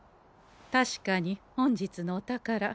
確かに本日のお宝